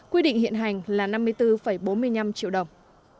quy định hiện hành là năm mươi bốn bốn mươi năm triệu đồng